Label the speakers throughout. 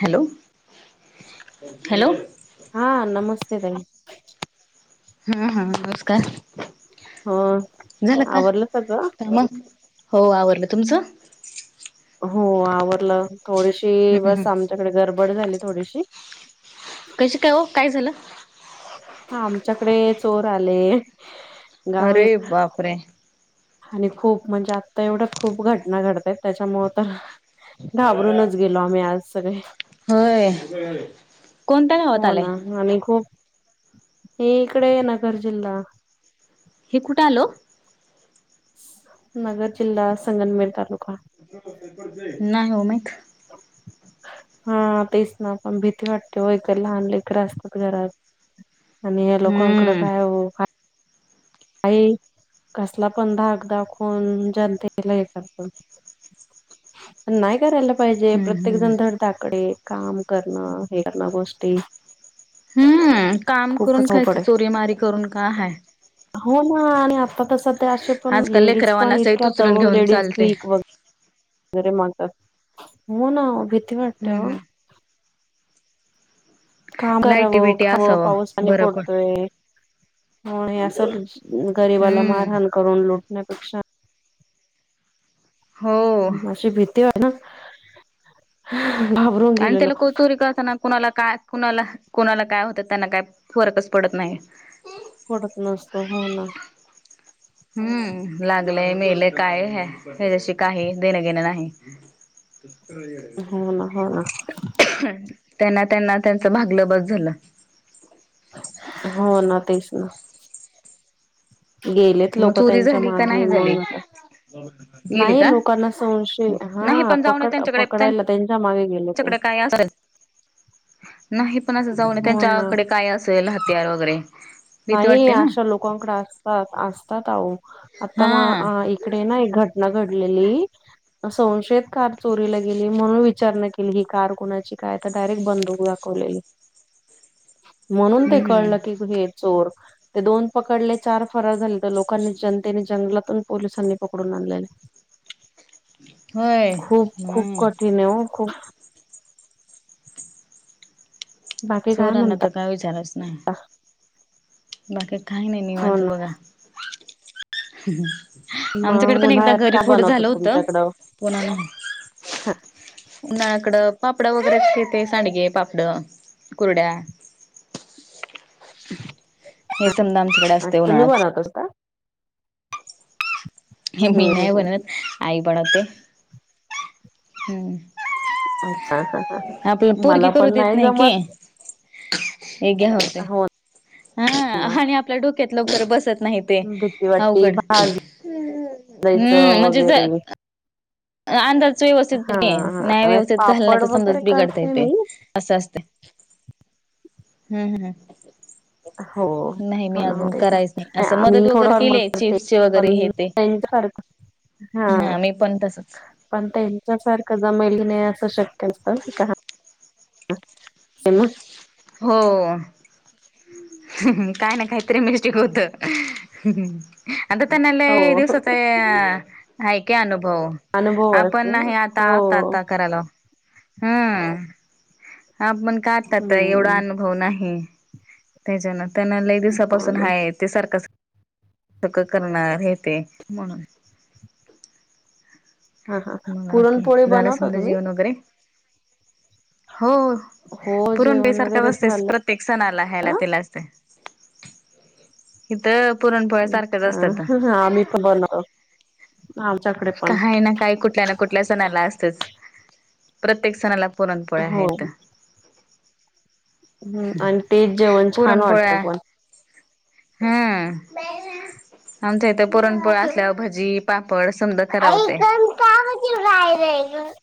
Speaker 1: Hello- hello
Speaker 2: हा नमस्ते ताई
Speaker 1: हा हा नमस्कार!
Speaker 2: हो
Speaker 1: झाला का,
Speaker 2: आवरलं सगळं
Speaker 1: मग हो आवरल तुमच?
Speaker 2: हो आवरल थोडीशी
Speaker 1: हम्म हम्म.
Speaker 2: बस आमच्याकडे गडबड झाली थोडीशी.
Speaker 1: कशी काय ओ काय झालं?
Speaker 2: हा आमच्याकडे चोर आले. गाव
Speaker 1: अरे
Speaker 2: एक
Speaker 1: बापरे!
Speaker 2: आणि खूप म्हणजे आत्ता एवढ्या खूप घटना घडतय त्याच्यामुळ तर. घाबरूनच गेलो आम्ही आज सगळे.
Speaker 1: होय. कोणत्या गावात
Speaker 2: हो
Speaker 1: आलंय
Speaker 2: ना आणि खूप हे इकडे आहे नगर जिल्हा
Speaker 1: हे कुठे आलं ओ?
Speaker 2: नगर जिल्हा संगनमेर तालुका.
Speaker 1: नाही ओ माहीत.
Speaker 2: हा तेच ना पण भीती वाटते ओ एक तर लहान लेकर असतात घरात. आणि हे लोकांकड
Speaker 1: हम्म
Speaker 2: काय हो. काही कसला पण धाक दाखवून जनतेला हे करतात. नाही करायला पा पाहिजे
Speaker 1: हम्म
Speaker 2: प्रत्येक
Speaker 1: हम्म
Speaker 2: जण धड धाकटय काम करणं हे करणं गोष्टी
Speaker 1: हम्म काम करून
Speaker 2: खूपच
Speaker 1: खाय च,
Speaker 2: अवघड आहे.
Speaker 1: चोरीमारी करून का हाय.
Speaker 2: हो ना आणि आता तस अश्या सध्या असे पण
Speaker 1: आजकाल
Speaker 2: लेडीज पण
Speaker 1: लेकरावांना सहित
Speaker 2: इतक्या
Speaker 1: उचलून
Speaker 2: तरुण
Speaker 1: घेऊन
Speaker 2: लेडीज
Speaker 1: चालते
Speaker 2: भीक वगैर हो ना भीती वाटते
Speaker 1: हम्म
Speaker 2: हो.
Speaker 1: हम्म
Speaker 2: काम कराव
Speaker 1: लायटी बिटी
Speaker 2: खाव
Speaker 1: असावं
Speaker 2: पावस आणि
Speaker 1: बरं पण
Speaker 2: पडतोय हो अस गरीबाला
Speaker 1: हम्म
Speaker 2: मारहाण करून लुटण्यापेक्षा.
Speaker 1: हो
Speaker 2: अशी भीती आहे ना घाबरून
Speaker 1: आणि
Speaker 2: गेलेलो.
Speaker 1: लोक ते चोरी करताना कुणाला काय -कुणाला कुणाला काय होतं त्यांना काय फरकच पडत नाही.
Speaker 2: पडत नसतो हो ना.
Speaker 1: हम्म लागलय मेलय काय, हच्याशी काही देण घेणं नाही [unintelligible]
Speaker 2: हो ना, होना.
Speaker 1: त्यांना त्यांना त्यांचं भागलं बस झालं
Speaker 2: हो ना तेच ना. गेलेत
Speaker 1: मग
Speaker 2: लोक
Speaker 1: चोरी
Speaker 2: त्यांच्या
Speaker 1: झाली का
Speaker 2: मागे
Speaker 1: नाही झाली
Speaker 2: मग आता
Speaker 1: गेली
Speaker 2: नाही
Speaker 1: का
Speaker 2: लोकांना संशय,
Speaker 1: नाही
Speaker 2: हा पकड पकडायला त्यांच्या मागे गेले ते
Speaker 1: च्याकडे काय अस, नाही पण असं जाऊनय
Speaker 2: हो ना
Speaker 1: त्यांच्याकडे काय अस असेल हत्यार वगैरे. भीती
Speaker 2: नाही
Speaker 1: वाटते ना
Speaker 2: अशा लोकांकड असतात, असतात आवो आता
Speaker 1: हा
Speaker 2: म इकडे ना एक घटना घडलेली संशयित कार चोरीला गेली म्हणून विचारणा केली की कार कोणाची काय तर डायरेक्ट बंदूक दाख कुले
Speaker 1: [unintelligible]
Speaker 2: म्हणून ते
Speaker 1: हम्म हम्म
Speaker 2: कळलं की हे चोर ते दोन पकडले चार फरार झाले, तर लोकांनी जनतेने जंगलातून पोलिसांनी पकडून आणलेले
Speaker 1: होय
Speaker 2: खूप, खूप
Speaker 1: नाही
Speaker 2: कठीण आहे हो खूप. बाकी काय
Speaker 1: चोराना
Speaker 2: म्हणतात
Speaker 1: तर काय विचारायचं नाही
Speaker 2: [unintelligible]
Speaker 1: बाकी काही नाही
Speaker 2: हो
Speaker 1: निवांत
Speaker 2: ना
Speaker 1: बघा आमच्याकड
Speaker 2: मग
Speaker 1: पण एकदा
Speaker 2: उन्हाळ्यात
Speaker 1: घर
Speaker 2: काय
Speaker 1: फोड
Speaker 2: बनवतात
Speaker 1: झालं होत, कोणाला
Speaker 2: हो
Speaker 1: उन्हाळ्याकड पापडं वगैरे अस तेे सांडगे पापड कुरड्या हे समद आमच्याकड असते उन्हाळ्यात
Speaker 2: [unintelligible]
Speaker 1: हे मी
Speaker 2: हम्म हम्म
Speaker 1: नाही
Speaker 2: हम्म
Speaker 1: बनत आई बनवते. हम्,
Speaker 2: अच्छा हा हा
Speaker 1: आपल पोरगी
Speaker 2: मला
Speaker 1: करू
Speaker 2: पण
Speaker 1: देत नाही की
Speaker 2: जमत
Speaker 1: हे घ्या होतय,
Speaker 2: हो
Speaker 1: ह
Speaker 2: ना
Speaker 1: आणि आपल्या डोक्यात लवकर बसत नाहीत ते
Speaker 2: भीती वाटती
Speaker 1: अवघड.
Speaker 2: भाजायचं
Speaker 1: हम्म म्हणजे ज
Speaker 2: वगैरे
Speaker 1: अंदाज व्यवस्थित
Speaker 2: हा
Speaker 1: की न्याय
Speaker 2: हा
Speaker 1: व्यवस्थित झाल ना
Speaker 2: पापड
Speaker 1: तर
Speaker 2: वगैरे
Speaker 1: समजाच बिघडताय
Speaker 2: करते
Speaker 1: ते
Speaker 2: मी
Speaker 1: असं असतय हम्म हम
Speaker 2: हो
Speaker 1: नाही, नाही मी
Speaker 2: हो ना हो
Speaker 1: अजून
Speaker 2: तेच
Speaker 1: करायच नाही
Speaker 2: ना
Speaker 1: असं मदत
Speaker 2: आम्ही
Speaker 1: वगैरे
Speaker 2: थोडंफार
Speaker 1: केलीय
Speaker 2: मदत करते
Speaker 1: चिप्सचे वगैरे हे ते
Speaker 2: [unintelligible]
Speaker 1: हा, मी पण तसचं.
Speaker 2: पण त्यांच्यासारखं जमली नाही असं शक्य असत का [unintelligible]
Speaker 1: हो काय ना काहीतरी मेस्टिक होत. हम्म, म अता तनला
Speaker 2: हो
Speaker 1: लई दिवसचं हाय की अनुभव
Speaker 2: अनुभव
Speaker 1: आपण
Speaker 2: असतो ना
Speaker 1: नाही आता, आता
Speaker 2: हो
Speaker 1: आता करालाव अ हा पण का आतात एवढा
Speaker 2: हम्म
Speaker 1: अनुभव नाही त्याच्यान त्यांना लई
Speaker 2: हो
Speaker 1: दिवसापासून
Speaker 2: ना
Speaker 1: हाय ते सारख सारखं करणार हे ते म्हणून
Speaker 2: हा हा
Speaker 1: मगं अक्की,
Speaker 2: पुरणपोळी
Speaker 1: झालं
Speaker 2: बनवता
Speaker 1: समद
Speaker 2: तुम्ही?
Speaker 1: जेवण वगैरे, हो
Speaker 2: हो
Speaker 1: पुरण
Speaker 2: जेवण
Speaker 1: बीसारखच
Speaker 2: वगैरे
Speaker 1: असतेस
Speaker 2: झालं.
Speaker 1: प्रत्येक सणाला ह्यायला तला असते इथं पुरणपोळ्या सारखंच असतात आ
Speaker 2: हा मी तर बनवो आमच्याकडे
Speaker 1: काय ना काय कुठल्या ना कुठल्या सणाला असतच प्रत्येक सणाला पुरणपोळ्या
Speaker 2: हो
Speaker 1: हेत
Speaker 2: हम्म आणि तेच जेवण छान वाटतं पण
Speaker 1: हम आमच्या इथे पुरणपोळ्या असल्यावर भजी पापड समजा
Speaker 2: अकण का म्हज राहेर आहे [inaudible]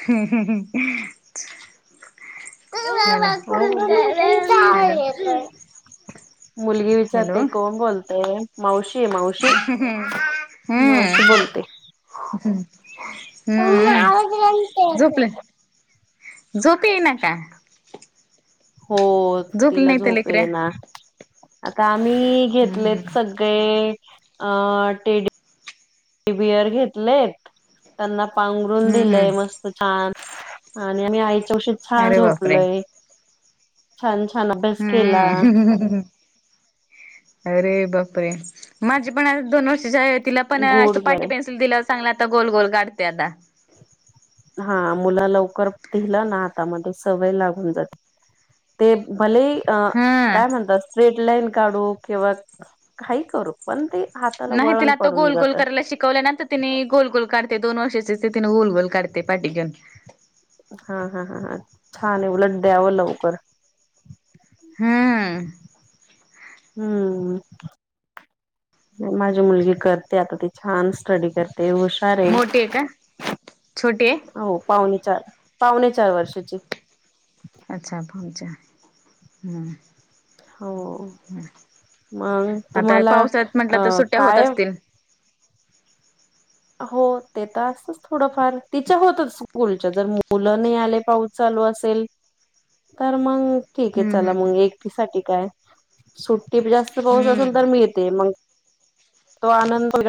Speaker 1: ह् [inaudible]
Speaker 2: अु आहे पण [inaudible] मुलगी
Speaker 1: हॅलो
Speaker 2: विचारते कोण बोलते मावशी मावशी मावशी बोलते
Speaker 1: ह हम्मम् झोपलं झोपी ये ना का
Speaker 2: हो
Speaker 1: झोपली
Speaker 2: तिला
Speaker 1: नाही तर
Speaker 2: झोप
Speaker 1: लेकऱ्या.
Speaker 2: आहे ना आता आम्ही
Speaker 1: हम्म हम्म
Speaker 2: घेतलेत सग ते ट [inaudible] ी बिअर घेतलेत त्यांना पांघरून
Speaker 1: हम्म
Speaker 2: दिलंय
Speaker 1: हम्म
Speaker 2: मस्त छान आणि आम्ही आईच्या उशीत छान
Speaker 1: अरे बापरे!
Speaker 2: झोपलोय छान छान अभ्यास केला
Speaker 1: हम हम हं अरे बाप रे माझे पण दोन व तिला पण
Speaker 2: गोड
Speaker 1: पाटी
Speaker 2: गळे
Speaker 1: पेनसिल दिला चांगला आता गोल गोल काढते आता
Speaker 2: हा मुलं लवकर पिलं ना हातामध्ये सवय लागून जाते ते भले अ
Speaker 1: हा
Speaker 2: काय म्हणतात स्ट्रेट लाईन काढू किंवा काही करू पण ते हाताला वळण पडून जातं
Speaker 1: शिकवल्यानंतर तिने गोल गोल करते दोन वर्षाचे तिने गोल गोल करते पाठी घेऊन
Speaker 2: हा हा हा हा छान आहे उलट द्यावं लवकर
Speaker 1: हम्म
Speaker 2: हम्म माझी मुलगी करते आता त छान स्टडी करते हुशार
Speaker 1: मोठी का
Speaker 2: आहे
Speaker 1: छोटी आहे
Speaker 2: हो पावणे चार पावणे चार वर्षाची
Speaker 1: अच्छा पहच ह
Speaker 2: हो मग
Speaker 1: आता
Speaker 2: तुम्हाला
Speaker 1: पावसात म्हटलं तर
Speaker 2: अ
Speaker 1: सुट्ट्या होत
Speaker 2: काय
Speaker 1: असतील
Speaker 2: हो ते तर असतच थोडंफार तिच्या होतच कुलच्या जर मुलं नाही आले पाऊस चालू असेल तर मग ठीक आहे
Speaker 1: हम्म
Speaker 2: चला
Speaker 1: हम्म
Speaker 2: मग एकटी साठी काय सुट्टी जास्त पाऊस असेल
Speaker 1: हम्म
Speaker 2: तर मिळते मग तो आनंदो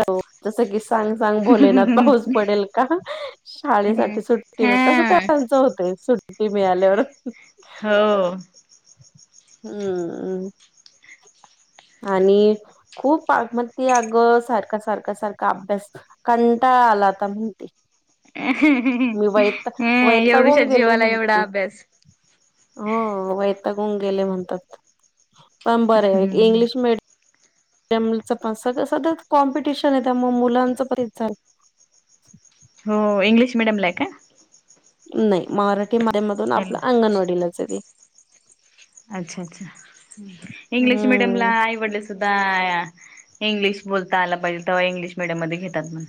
Speaker 2: जस की सां चांग भोलेना पाऊस पडेल का शाळेसाठी
Speaker 1: हम्म
Speaker 2: सुट्टी मिळ तस त्यांच होते सुट्टी मिळाल्यावर
Speaker 1: हो
Speaker 2: हम्म आणि खूप मग ते अग सारख सारख सारखा अभ्यास कंटा आलाता म्हणती मी वैता
Speaker 1: हम्म एवढुशा
Speaker 2: वैतागून गेले
Speaker 1: जीवाला
Speaker 2: म्हणते
Speaker 1: एवढा अभ्यास
Speaker 2: हो वैतागून गेले म्हणतात पण बरय -
Speaker 1: हम्म
Speaker 2: [unintelligible] त्या मूलीच पण सगळं सधच कॉम्पिटिशन आहे त्यामुळे मुलांचं पण झालं
Speaker 1: हो इंग्लिश मिडियमला आहे काय?
Speaker 2: नाही माराठी माध्यमधून
Speaker 1: हॅलो
Speaker 2: आपलं अंगणवाडीलाच आहे ती
Speaker 1: अच्छा अच्छा इंग्लिश मिडियम ला
Speaker 2: हम्म
Speaker 1: आई वडील सुद्धा इंग्लिश बोलता आला पाहिजे तेव्हा इंग्लिश मिडियम मध्ये घेतात म्हण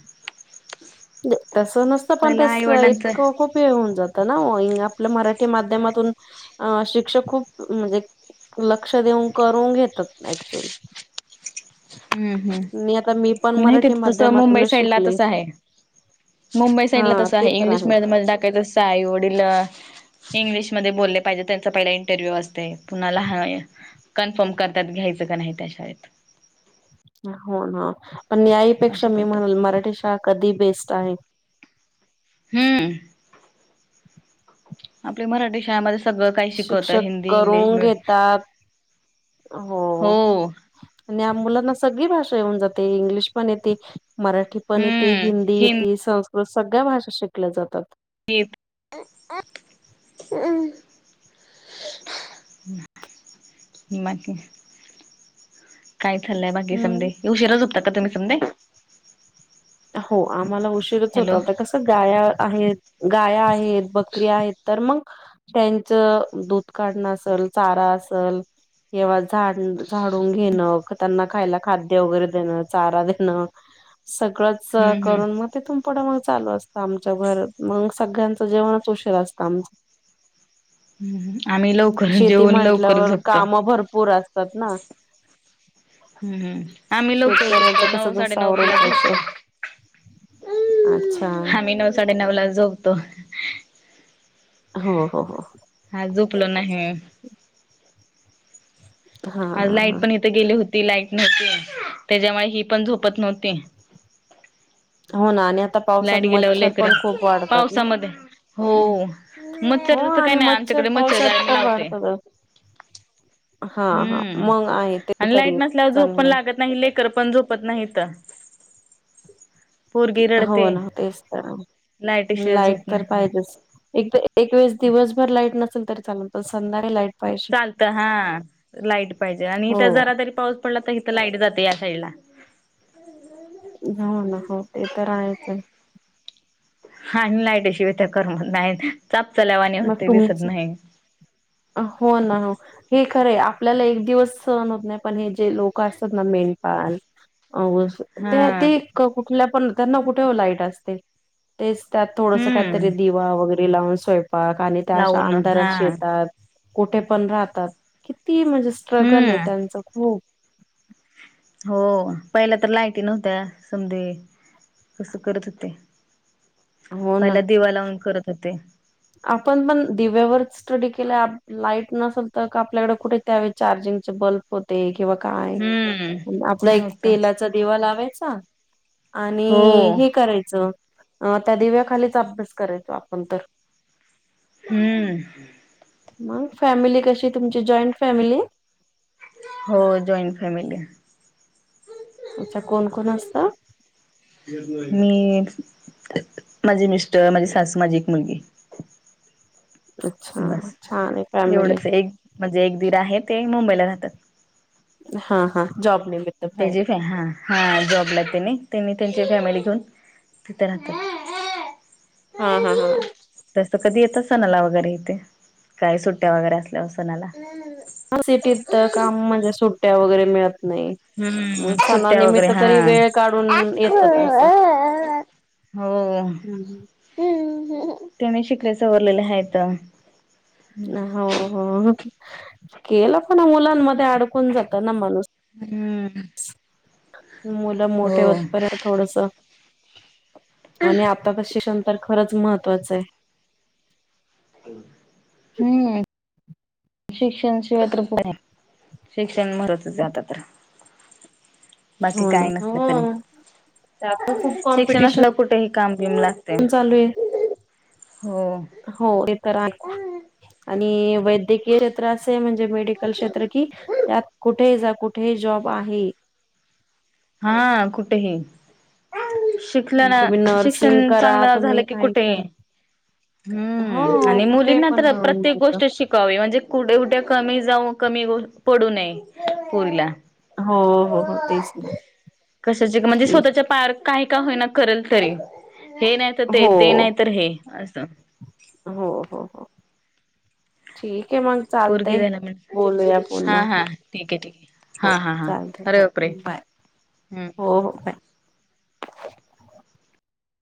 Speaker 2: तस नसतं पण
Speaker 1: पहिला
Speaker 2: तेस
Speaker 1: आई वडिलांचं
Speaker 2: इतकं खूप होऊन जातं ना आपल्या मराठी माध्यमातून अ शिक्षक खूप म्हणजे लक्ष देऊन करून घेतात ना ऍक्च्युअली
Speaker 1: ह
Speaker 2: मी आता मी पण
Speaker 1: नाही
Speaker 2: मराठी
Speaker 1: तिथे तस मुंबई
Speaker 2: माध्यमातूनच
Speaker 1: साईड ला
Speaker 2: शिकले
Speaker 1: तस हाय. मुंबई
Speaker 2: हा
Speaker 1: साईडला तसं
Speaker 2: ते
Speaker 1: आहे
Speaker 2: तर
Speaker 1: इंग्लिश मीडियम मध्ये टाकायचसं आहे वडील इंग्लिशमध्ये बोलले पाहिजे त्यांचा पहिला इंटरव्ह्यू असतय पुन्हा लहान कन्फार्म करतात घ्यायचं का नाही त्या शाळेत.
Speaker 2: हो ना, पण याईपेक्षा
Speaker 1: असे
Speaker 2: मी
Speaker 1: करतात
Speaker 2: म्हणल मराठी शाळा कधी ही बेस्ट आहे.
Speaker 1: हम आपली मराठी शाळेमध्येच
Speaker 2: शिक्षक करून घेतात हो आणि ह्या मुलांना सगळी भाषा येऊन जाते इंग्लिश पण येते मराठी पण येते
Speaker 1: हम्म
Speaker 2: हिंदी येते
Speaker 1: हिंदीत
Speaker 2: संस्कृत सगळ्या भाषा शिकल्या जातात.
Speaker 1: [unintelligible] [inaudible] काय चालंय बाकी
Speaker 2: हम्म
Speaker 1: समधे उशीराच होतात का तुम्ही समधे?
Speaker 2: हो आम्हाला उशीरच होत
Speaker 1: हॅलो
Speaker 2: आता कस गाया आहेत गाया आहेत बकरी आहेत तर मग? त्यांचं दूध काढणं असल चारा असल तेव्हा झाडन झाडून घेणं त्यांना खायला खाद्य वगैरे देणं, चारा देणं. सगळंच
Speaker 1: हम्म हम्म
Speaker 2: करून मग तेथून पुढं मग चालू असतं आमच्या बर, मग सगळ्यांचं जेवणच उशीर असतं आमच
Speaker 1: [inaudible] हम हम आम्ही लवकरच
Speaker 2: शेती
Speaker 1: जेवूण लवकर
Speaker 2: म्हटल्यावर
Speaker 1: झोपतो.
Speaker 2: काम भरपूर असतात ना
Speaker 1: हम् हम् आम्ही लवकर
Speaker 2: शेतकऱ्यांचं
Speaker 1: झोपतो
Speaker 2: कसं
Speaker 1: नऊ साडे
Speaker 2: जसं
Speaker 1: नऊ
Speaker 2: आवरल
Speaker 1: पर्यंत झोपतो.
Speaker 2: तसं
Speaker 1: हम्
Speaker 2: अच्छा
Speaker 1: आम्ही नऊ साडेनऊलाच झोपतो.
Speaker 2: हो हो हो
Speaker 1: हा झोपलो नाही
Speaker 2: हा
Speaker 1: आज लाईट
Speaker 2: हा
Speaker 1: पण इथे गेली होती, लाईट नव्हती त्याज्यामुळे ही पण झोपत नव्हती.
Speaker 2: हो ना आणि आता पावसात
Speaker 1: लाईट गेल्यावर
Speaker 2: मच्छर
Speaker 1: लेकर
Speaker 2: पण खूप वाढतात ना?
Speaker 1: पावसामध्ये हो
Speaker 2: हो
Speaker 1: मच्छर तसं काही
Speaker 2: आणि
Speaker 1: नाही
Speaker 2: मच्छर
Speaker 1: आमच्याकडे जाळी
Speaker 2: पावसातत
Speaker 1: मी
Speaker 2: तर
Speaker 1: लावते
Speaker 2: वाढतातच हा हा
Speaker 1: हम्म
Speaker 2: मग आहे ते
Speaker 1: आणि लाईट
Speaker 2: तरी
Speaker 1: नसल्यावर झोप पण
Speaker 2: चांगलंय
Speaker 1: लागत नाही लेकर पण झोपत नाही हीथ
Speaker 2: हो
Speaker 1: रडते
Speaker 2: ना तेच तर
Speaker 1: लाईटीशिवाय
Speaker 2: लाईट
Speaker 1: झोप
Speaker 2: तर
Speaker 1: नाही
Speaker 2: पाहिजेच एकदा एकवेेळेस दिवसभर लाईट नसेल तरी चाल संध्याकाळी लाईट पाहिजे
Speaker 1: चालतं हा लाईट पाहिजे आणि इथ
Speaker 2: हो
Speaker 1: जरा तरी पाऊस पडला तर इथं लाईट जाते या साईड ला
Speaker 2: हो ना हो ते तर आहेच आहे.
Speaker 1: हा. आणि लाईटी शिवाय तर करमत नाय चाप चल्यावाणी होतय दिसत न्हाय.
Speaker 2: अ हो ना हे खरंय आपल्याला एक दिवस सहण होत नाय पण हे जे लोक असतात ना मेंढपाल आहो असं ते
Speaker 1: हा
Speaker 2: ते क कुठल्या पण त्यांना कुठे ओ लाईट असते. तेच त्यात थोडस
Speaker 1: हम्म
Speaker 2: कायतरी दिवा वगैरे लावून स्वय पाक आणि त्या अशा
Speaker 1: लावून
Speaker 2: अंधारात
Speaker 1: हा
Speaker 2: शेतात कुठे पण राहतात. किती म्हणजे स्ट्रगल
Speaker 1: हम्म
Speaker 2: ये त्यांच खूप
Speaker 1: हो पहिल्या तर लाईटी नव्हत्या समदे कस करत होते.
Speaker 2: हो ना
Speaker 1: पहिला दिवा लावून करत होते.
Speaker 2: आपण पण दिव्यावरच स्टडी केलं लाईट नसल त आपल्याकड कुठे त्यावेळी चार्जिंगचे बल्ब होते किंवा काय
Speaker 1: हम्म
Speaker 2: आपलं एक
Speaker 1: नव्हता
Speaker 2: तेलाच दिवा लावायचा आणि
Speaker 1: हो
Speaker 2: हे करायचं अ त्या दिव्याखालीच अभ्यास करायचो आपण तर
Speaker 1: हम्म
Speaker 2: मग फॅमिली कशीये तुमची जॉईंट फॅमिली
Speaker 1: हो जॉईंट फॅमिली.
Speaker 2: अच्छा कोण कोण असतं?
Speaker 1: मी माझे मिस्टर, माझी सासू, माझी एक मुलगी.
Speaker 2: अच्छा
Speaker 1: बस
Speaker 2: छान ये फॅमिली.
Speaker 1: एवढंच एक म्हणजे एक दीर आहे, ते मुंबईला राहतात.
Speaker 2: हा हा जॉब निमित्त
Speaker 1: त्याची
Speaker 2: बाहेर
Speaker 1: फॅ हा हा जॉबला तेनी, त्यांनी त्यांची फॅमिली घेऊन तिथ राहतात.
Speaker 2: हा हा हा
Speaker 1: तस कधी येतात सणाला वगैरे इथे काय सुट्टया वगैरे असल्यावर सणाला.
Speaker 2: हो सिटीत तर काम म्हणजे सुट्टया वगैरे मिळत नाही म
Speaker 1: हम्म सुट्ट्या वगैरे
Speaker 2: सणानिमित्त तरी
Speaker 1: हा
Speaker 2: वेळ काढून येतात असं
Speaker 1: हो त्यांनी शिकल्या सवरलेलं हायतं.
Speaker 2: हो हो केलं पण मुलांमध्ये अडकून जात ना माणूस.
Speaker 1: हम्म
Speaker 2: मुलं मोठे
Speaker 1: हो
Speaker 2: होत पर्यंत थोडसं आणि आता क शिक्षण तर खरंच महत्त्वाचंय.
Speaker 1: हम्म. शिक्षण शिवाय तर कोणं ये शिक्षण महत्त्वाचं ये आता तर बाकी
Speaker 2: हो ना
Speaker 1: काय नसलं तरी
Speaker 2: हो त्यात पण खूप
Speaker 1: शिक्षण
Speaker 2: कॉम्पिटिशन
Speaker 1: असल्याव कुठही काम बिम लागतंय.
Speaker 2: चालू आहे
Speaker 1: हो.
Speaker 2: हो ते तर आण आणि वैद्यकीय क्षेत्र असय, की म्हणजे मेडिकल क्षेत्र की त्यात कुठेही जा कुठेही जॉब आहे.
Speaker 1: हा कुठही तिथलं ना
Speaker 2: तुम्ही नर्सिंग
Speaker 1: शिक्षण
Speaker 2: करा
Speaker 1: चांगलं झालं
Speaker 2: तुम्ही
Speaker 1: की
Speaker 2: काही
Speaker 1: कुठे
Speaker 2: करा
Speaker 1: हम्म
Speaker 2: हो
Speaker 1: आणि
Speaker 2: कुठे
Speaker 1: मुलींना
Speaker 2: पण
Speaker 1: तर
Speaker 2: मिळून
Speaker 1: प्रत्येक
Speaker 2: घेत
Speaker 1: गोष्ट शिक्ष कावे म्हणजे कुठ कुठे कमी जाऊ कमी पडू नये पोरीला.
Speaker 2: हो हो हो तेच ना
Speaker 1: कशाचे म्हणजे
Speaker 2: ठीक
Speaker 1: स्वतःच्या पया काही का होईना करेल तरी. हे नाही त ते,
Speaker 2: हो
Speaker 1: ते नाही तर हे. असं.
Speaker 2: हो हो हो. ठीके मंग.
Speaker 1: पोरगी
Speaker 2: चालतंय.
Speaker 1: झाला म्हण
Speaker 2: बोलूया
Speaker 1: हा
Speaker 2: पुन्हा.
Speaker 1: हा ठीक आहे ठीक आहे हा
Speaker 2: हो
Speaker 1: हा हा
Speaker 2: चालतय.
Speaker 1: अरे
Speaker 2: हो
Speaker 1: बापरे
Speaker 2: बाय.
Speaker 1: हम्म.
Speaker 2: हो हो बाय.